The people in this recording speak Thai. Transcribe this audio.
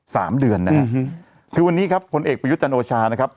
สามเดือนนะฮะคือวันนี้ครับผลเอกประยุทธ์จันโอชานะครับ